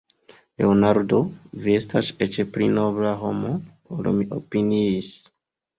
Leonardo, vi estas eĉ pli nobla homo, ol mi opiniis.